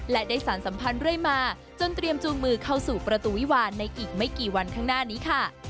และได้สารสัมพันธ์เรื่อยมาจนเตรียมจูงมือเข้าสู่ประตูวิวาลในอีกไม่กี่วันข้างหน้านี้ค่ะ